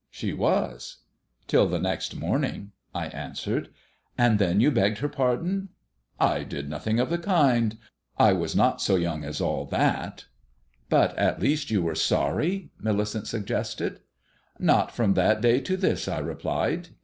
"She was." "Till the next morning," I answered. "And then you begged her pardon?" "I did nothing of the kind. I was not so young as all that." "But, at least, you were sorry?" Millicent suggested. "Not from that day to this," I replied.